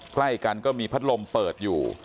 ใกล้กันก็มีพัดลมเปิดอยู่